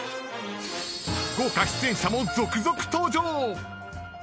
［豪華出演者も続々登場］